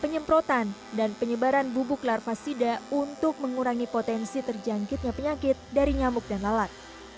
penyemprotan dan penyebaran bubuk larvasida untuk mengurangi potensi terjangkitnya penyakit dari nyamuk dan lalat